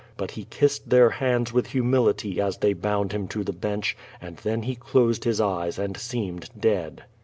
But he kissed their hands with humility, as they bound him to the bench, and then he closed his eyes and seemed dead.